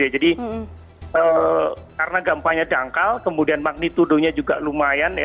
jadi karena gempanya dangkal kemudian magnitudenya juga lumayan